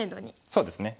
そうですね。